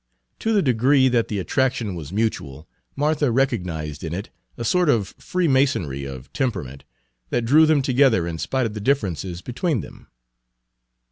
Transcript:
To the degree that the attraction was mutual, Martha recognized in it a sort of freemasonry of temperament that drew them together in spite of the differences between them.